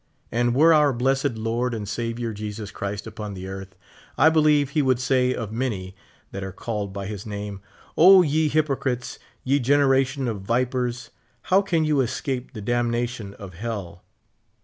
And were our blessed Lord and Saviour Jesus Christ upon the earth, I believe he would say of many that are called by his name : 'O, ye hypocrites, ye gen eration of vipers, how can you escape the damnation of, hell."